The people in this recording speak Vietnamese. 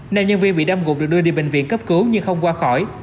nên nhân viên bị đâm gục được đưa đi bệnh viện cấp cứu nhưng không qua khỏi